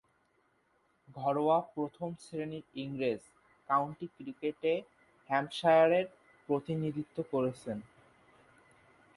ঘরোয়া প্রথম-শ্রেণীর ইংরেজ কাউন্টি ক্রিকেটে হ্যাম্পশায়ারের প্রতিনিধিত্ব করেছেন।